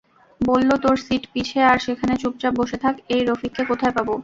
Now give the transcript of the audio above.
বললো তোর সিট পিছে আর সেখানে চুপচাপ বসে থাক এই রফিককে কোথায় পাবো?